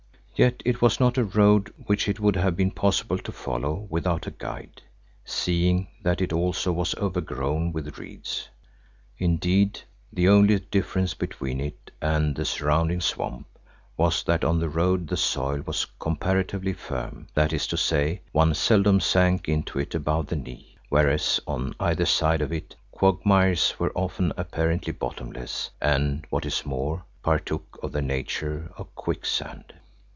Yet it was not a road which it would have been possible to follow without a guide, seeing that it also was overgrown with reeds. Indeed, the only difference between it and the surrounding swamp was that on the road the soil was comparatively firm, that is to say, one seldom sank into it above the knee, whereas on either side of it quagmires were often apparently bottomless, and what is more, partook of the nature of quicksand.